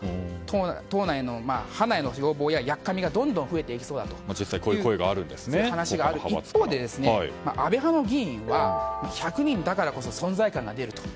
党内の要望ややっかみがどんどん増えていきそうだという話がある一方で一方で安倍派の議員は１００人だからこそ存在感が出ると。